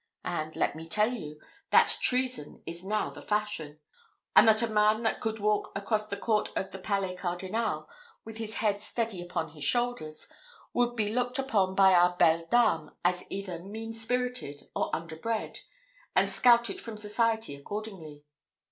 and, let me tell you, that treason is now the fashion; and that a man that could walk across the court of the Palais Cardinal, with his head steady upon his shoulders, would be looked upon by our belles dames as either mean spirited or under bred, and scouted from society accordingly."